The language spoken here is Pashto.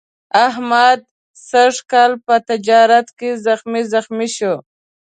احمد سږ کال په تجارت کې زخمي زخمي شو.